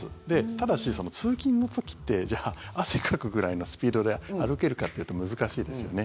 ただし、通勤の時って汗かくぐらいのスピードで歩けるかっていうと難しいですよね。